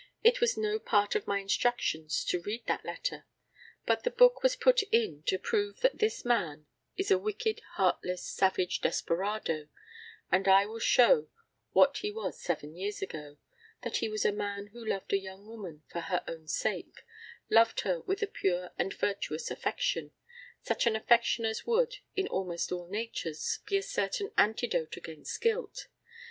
It was no part of my instructions to read that letter, but the book was put in to prove that this man is a wicked, heartless, savage desperado; and I show you what he was seven years ago that he was a man who loved a young woman for her own sake loved her with a pure and virtuous affection such an affection as would, in almost all natures, be a certain antidote against guilt.